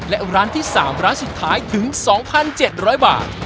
และร้านที่๓ร้านสุดท้ายถึง๒๗๐๐บาท